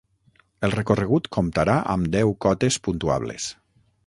El recorregut comptarà amb deu cotes puntuables.